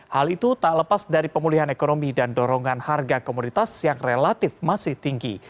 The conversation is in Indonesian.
hal itu tak lepas dari pemulihan ekonomi dan dorongan harga komoditas yang relatif masih tinggi